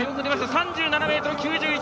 ３７ｍ９１！